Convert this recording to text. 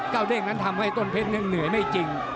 เด้งนั้นทำให้ต้นเพชรเหนื่อยไม่จริง